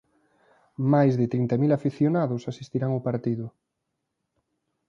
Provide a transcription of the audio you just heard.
Máis de trinta mil afeccionados asistirán o partido.